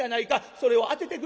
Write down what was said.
それを当ててくれはる